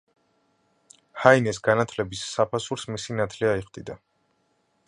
ჰაინეს განათლების საფასურს, მისი ნათლია იხდიდა.